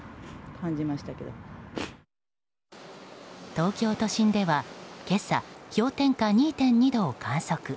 東京都心では今朝氷点下２．２度を観測。